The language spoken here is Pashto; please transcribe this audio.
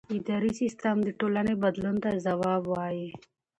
اداري سیستم د ټولنې بدلون ته ځواب وايي.